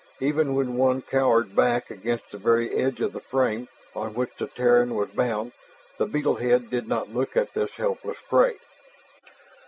Even when one cowered back against the very edge of the frame on which the Terran was bound, the beetle head did not look at this helpless prey.